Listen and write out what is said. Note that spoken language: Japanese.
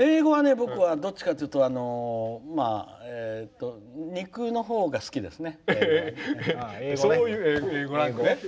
僕はどっちかっていうと肉のほうが好きですね。